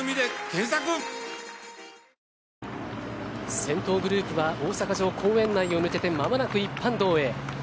先頭グループは大阪城公園内を抜けて間もなく一般道へ。